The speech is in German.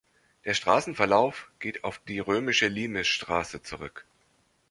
Der Straßenverlauf geht auf die römische Limesstraße zurück.